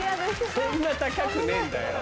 そんな高くねえんだよ。